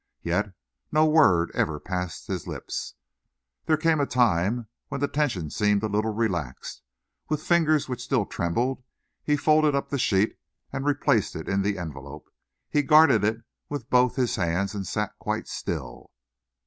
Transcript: Yet no word ever passed his lips. There came a time when the tension seemed a little relaxed. With fingers which still trembled, he folded up the sheet and replaced it in the envelope. He guarded it with both his hands and sat quite still.